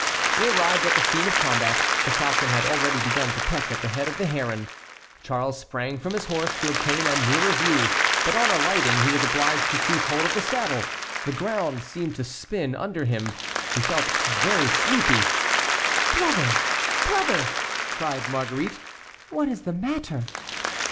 They arrived at the scene of combat. The falcon had already begun to peck at the head of the heron. Charles sprang from his horse to obtain a nearer view; but on alighting he was obliged to seize hold of the saddle. The ground seemed to spin under him. He felt very sleepy. "Brother! Brother!" cried Marguerite; "what is the matter?"